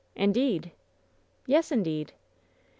"Indeed!" "Yes, indeed!"